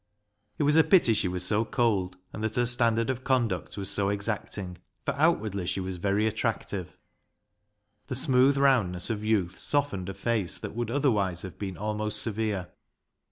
It was a pity she was so cold, and that her standard of conduct was so exacting, for out wardly she was very attractive. The smooth roundness of youth softened a face that would otherwise have been almost severe.